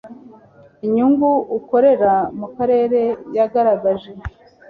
inyungu ukorera mu karere yagaragaje